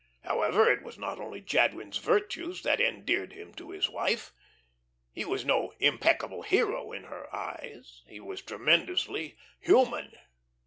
However, it was not only Jadwin's virtues that endeared him to his wife. He was no impeccable hero in her eyes. He was tremendously human.